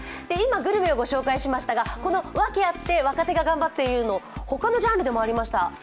今、グルメを御紹介しましたが、ワケあって若手が頑張っているのが他のジャンルでもありました。